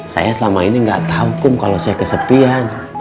saya selama ini nggak tau kum kalau saya kesepian